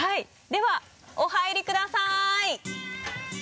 ではお入りください。